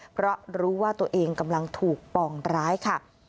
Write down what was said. เพราะรู้ว่าตัวเองกำลังถูกป่องร้ายค่ะ